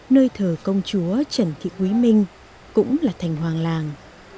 nơi thờ công chúa trần thị quý minh cũng là thành hoàng làng